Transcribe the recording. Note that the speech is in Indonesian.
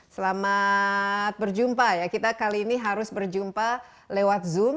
selamat berjumpa ya kita kali ini harus berjumpa lewat zoom